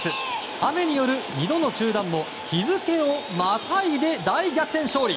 雨による２度の中断も日付をまたいで大逆転勝利！